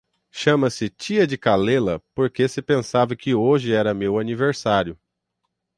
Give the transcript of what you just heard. Chama-se tia de Calella porque se pensava que hoje era meu aniversário.